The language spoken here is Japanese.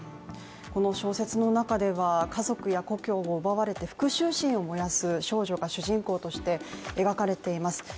この小説の中では家族や故郷を奪われて復しゅう心を燃やす少女が主人公として描かれています。